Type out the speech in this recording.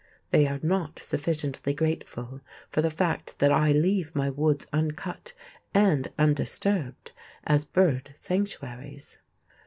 They are not sufficiently grateful for the fact that I leave my woods uncut, and undisturbed, as bird sanctuaries.